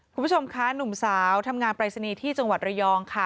คุณผู้ชมคะหนุ่มสาวทำงานปรายศนีย์ที่จังหวัดระยองค่ะ